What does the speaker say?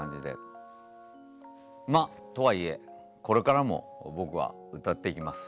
まあとはいえこれからも僕は歌っていきます。